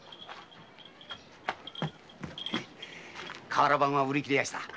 瓦版は売り切れやした。